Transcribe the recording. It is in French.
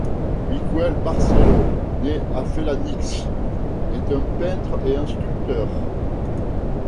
Miquel Barceló, né à Felanitx, est un peintre et un sculpteur.